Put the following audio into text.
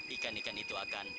ikan ikan itu akan